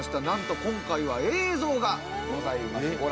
なんと今回は映像がございます。